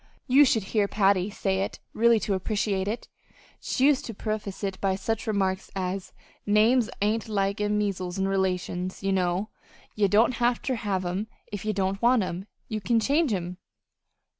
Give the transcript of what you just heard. You should hear Patty say it really to appreciate it. She used to preface it by some such remark as: 'Names ain't like measles an' relations, ye know. Ye don't have ter have 'em if ye don't want 'em you can change 'em.'"